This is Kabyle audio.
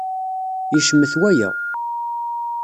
Yecmet waya.